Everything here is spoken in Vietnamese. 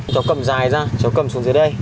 cháu cầm dài ra cháu cầm xuống dưới đây